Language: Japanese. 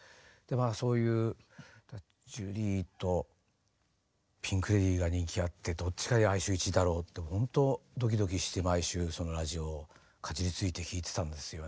そういうジュリーとピンク・レディーが人気あってどっちが来週１位だろうってほんとドキドキして毎週そのラジオをかじりついて聴いてたんですよね。